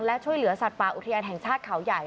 และช่วยเหลือสัตว์ป่าอุทยานแห่งชาติเขาใหญ่